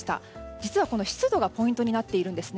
実は、この湿度がポイントになっているんですね。